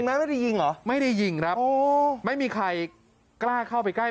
ไม่ได้ยิงเหรอไม่ได้ยิงครับโอ้ไม่มีใครกล้าเข้าไปใกล้